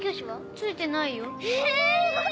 ついてないよ。え！